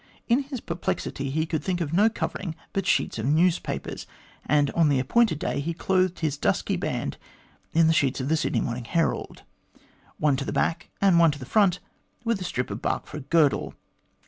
In his perplexity he could think of no covering but sheets of newspapers, and on the appointed day he clothed his dusky band in the sheets of the Sydney Morning Herald, one at the back and one in front with a strip of bark for a girdle.